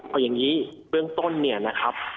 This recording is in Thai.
เอาอย่างนี้เบื้องต้นเนี่ยนะครับ